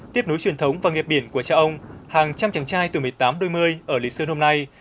tiếp nối truyền thống và nghiệp biển của cha ông hàng trăm chàng trai từ một mươi tám đôi mươi ở lý sơn hôm nay